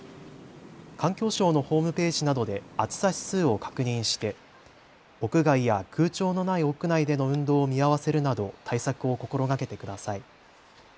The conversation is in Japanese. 環境省のホームページなどで暑さ指数を確認して屋外や空調のない屋内での運動を見合わせるなど対策を心がけてください。